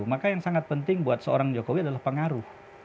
maka yang sangat penting buat seorang jokowi adalah pengaruh